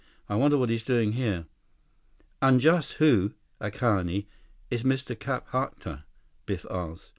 I wonder what he's doing here." "And just who, aikane, is Mr. Kapatka?" Biff asked.